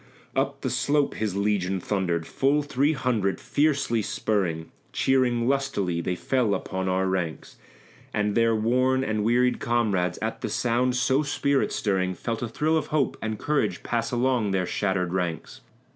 Up the slope his legion thundered, full three hundred; fiercely spurring, Cheering lustily, they fell upon our flanks; And their worn and wearied comrades, at the sound so spirit stirring, Felt a thrill of hope and courage pass along their shattered ranks.